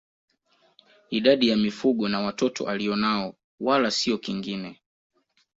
Idadi ya mifugo na watoto alionao wala sio kingine